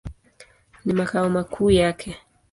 Ni makao makuu yake.